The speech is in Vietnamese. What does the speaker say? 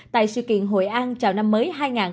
tại sự kiện hội an chào năm mới hai nghìn hai mươi bốn